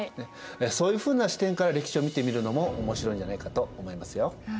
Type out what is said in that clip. そういうふうな視点から歴史を見てみるのも面白いんじゃないかと思いますよ。